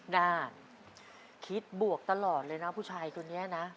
นานคิดบวกตลอดเลยนะผู้ชายคนนี้นะ